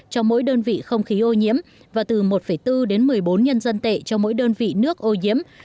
cho mỗi đơn vị không khí ô nhiễm và từ một bốn đến một mươi bốn nhân dân tệ cho mỗi đơn vị nước ô nhiễm